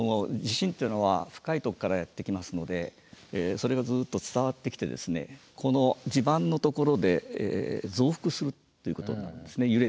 地震っていうのは深いところからやって来ますのでそれがずっと伝わってきてこの地盤のところで増幅するっていうことになるんですね。